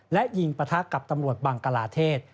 และยิงปะทะกับตำรวจบังกลาเทศ